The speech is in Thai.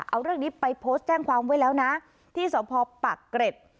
เอาเรื่องนี้ไปโพสต์แจ้งความไว้แล้วนะที่สพปักเกร็ด